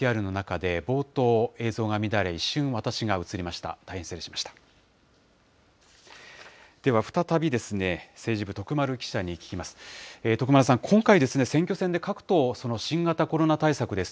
では再び、政治部、徳丸記者に聞きます。